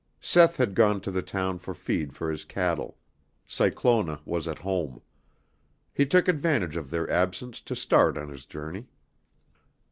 Seth had gone to the town for feed for his cattle. Cyclona was at home. He took advantage of their absence to start on his journey.